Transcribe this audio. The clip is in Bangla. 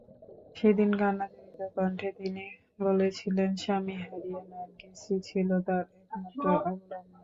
সেদিন কান্নাজড়িত কণ্ঠে তিনি বলেছিলেন, স্বামী হারিয়ে নার্গিসই ছিল তাঁর একমাত্র অবলম্বন।